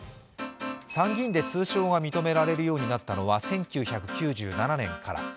参議院で通称が認められるようになったのは１９９７年から。